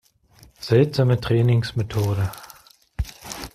Seltsame Trainingsmethode.